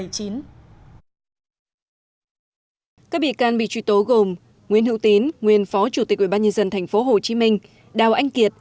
các bị can bị truy tố gồm nguyễn hữu tín nguyên phó chủ tịch ủy ban nhân dân tp hcm đào anh kiệt